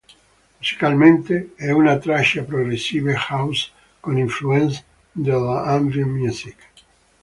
Musicalmente, è una traccia progressive house con influenze della ambient music.